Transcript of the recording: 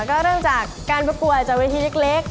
ก็เริ่มจากการประกวดจากเวทีเล็ก